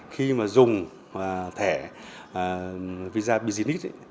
khi mà dùng thẻ visa business